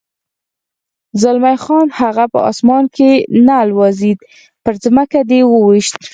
زلمی خان: هغه په اسمان کې نه الوزېد، پر ځمکه دې و وېشت.